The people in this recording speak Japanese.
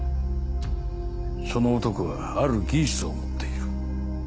その男がある技術を持っている。